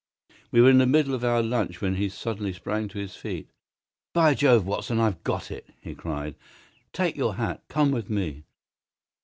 We were in the middle of our lunch when he suddenly sprang to his feet. "By Jove, Watson; I've got it!" he cried. "Take your hat! Come with me!"